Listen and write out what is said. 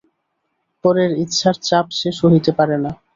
পরের ইচ্ছার চাপ সে সহিতে পারে না।